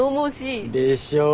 でしょう？